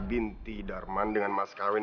biar aku bersihin